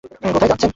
কোথায় যাচ্ছেন?